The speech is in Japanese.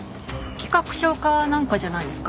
企画書かなんかじゃないですか？